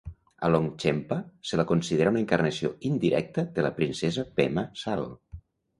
A Longchenpa se la considera una encarnació indirecta de la princesa Pema Sal.